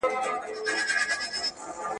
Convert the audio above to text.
لارښود به شاګرد ته نوي کتابونه ور وښيي.